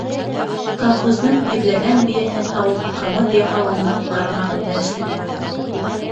Колхоздың йөҙләгән бейәһен һауып, ҡымыҙ яһау уның ҡарамағында эшләнә.